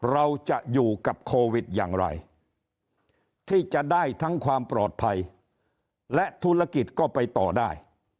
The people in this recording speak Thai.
เราจะอยู่กับโควิดอย่างไรที่จะได้ทั้งความปลอดภัยและธุรกิจก็ไปต่อได้